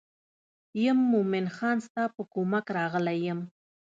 یم مومن خان ستا په کومک راغلی یم.